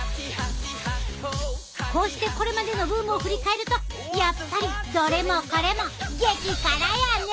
こうしてこれまでのブームを振り返るとやっぱりどれもこれも激辛やね。